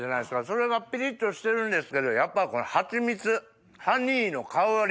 それがピリっとしてるんですけどやっぱこのハチミツハニーの香り。